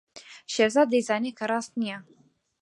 شێرزاد دەیزانی کە ڕاست نییە.